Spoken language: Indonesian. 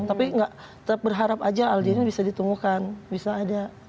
tapi enggak tetap berharap aja aldinya bisa ditunggu kan bisa ada